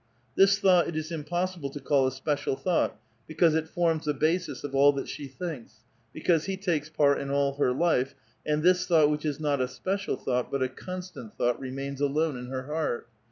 This thought it is impossible to call a special thought, because it forms the basis of all that she thinks, because he takes' part in all her life, and this thought which is not a special thought but a constant thouo^ht remains alone in her heart.